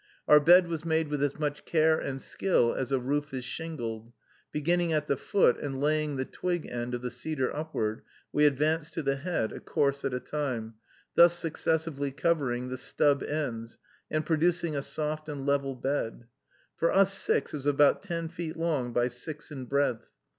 Our bed was made with as much care and skill as a roof is shingled; beginning at the foot, and laying the twig end of the cedar upward, we advanced to the head, a course at a time, thus successively covering the stub ends, and producing a soft and level bed. For us six it was about ten feet long by six in breadth.